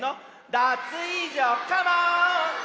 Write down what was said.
ダツイージョカモン！